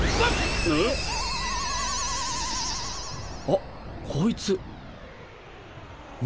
あっこいつガン！